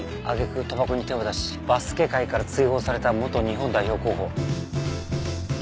あげく賭博に手を出しバスケ界から追放された元日本代表候補。